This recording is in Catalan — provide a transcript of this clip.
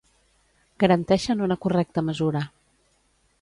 garanteixen una correcta mesura